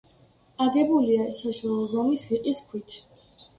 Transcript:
აგებულია საშუალო ზომის რიყის ქვით.